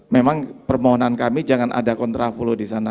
memang permohonan kami jangan ada kontraflow di sana